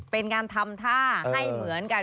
เป็นการทำท่าให้เหมือนกัน